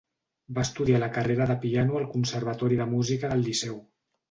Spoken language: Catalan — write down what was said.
Va estudiar la carrera de piano al Conservatori de Música del Liceu.